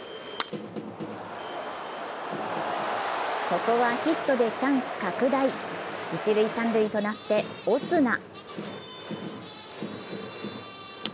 ここはヒットでチャンス拡大、一・三塁となってオスナ。